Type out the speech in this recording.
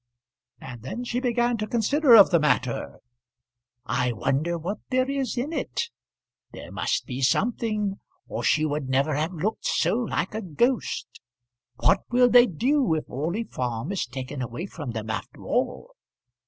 And then she began to consider of the matter. "I wonder what there is in it! There must be something, or she would never have looked so like a ghost. What will they do if Orley Farm is taken away from them after all!"